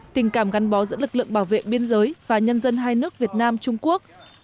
tình cảm gắn bó giữa lực lượng bảo vệ biên giới và nhân dân hai nước việt nam trung quốc